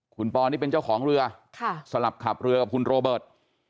คุณปอนี่เป็นเจ้าของเรือสลับขับเรือกับคุณโรเบิร์ต